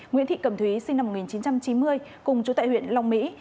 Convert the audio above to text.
nguyễn thị cẩm thúy sinh năm một nghìn chín trăm chín mươi cùng chú tại huyện long mỹ